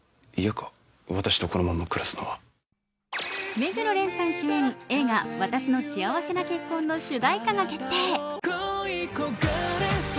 目黒蓮さん主演映画「わたしの幸せな結婚」の主題歌が決定。